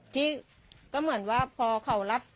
ที่ก็เหมือนว่าพอเขารับ